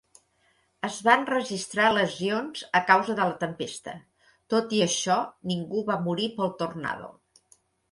Es van registrar lesions a causa de la tempesta; tot i això, ningú va morir pel tornado.